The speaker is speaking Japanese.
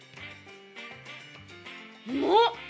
うまっ！